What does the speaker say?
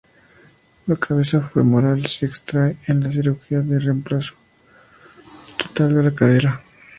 La cabeza femoral se extrae en la cirugía de reemplazo total de cadera.